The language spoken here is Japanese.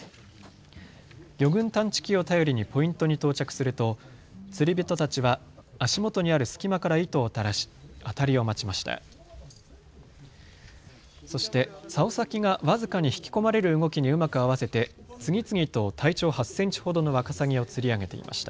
魚群探知機を頼りにポイントに到着すると、釣り人たちは足元にある隙間から糸を垂らしあたりを待ちました。